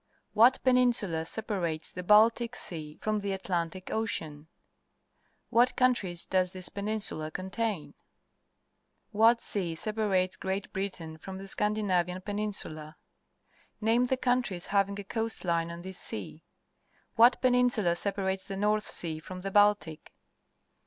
What peninsula separates the Baltic Sea from the Atlan tic Ocean ? What countries does this peninsula contain ? ^^'hat sea separates Great Bntain from the Scandimnma Peninsula? Name the countries having a coast line on this sea. What peninsula separates the North Sea from the Baltic?